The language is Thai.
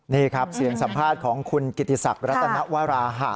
นี่ครับเสียงสัมภาษณ์ของคุณกิติศักดิ์รัตนวราหะ